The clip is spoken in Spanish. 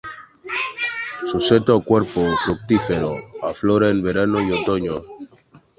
Su seta, o cuerpo fructífero, aflora en verano y otoño.